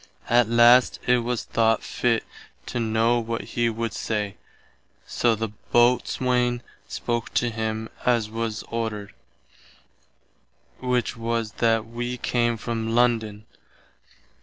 At last it was thought fitt to know what he would say, soe the Boatswaine spoke to him as was ordered, which was that wee came from London.